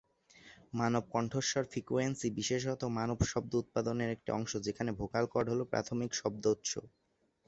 মানব কণ্ঠস্বর ফ্রিকোয়েন্সি বিশেষত মানব শব্দ উৎপাদনের একটি অংশ যেখানে ভোকাল কর্ড হলো প্রাথমিক শব্দোৎস।